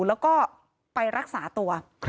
แล้วก็ไปรักษาตัว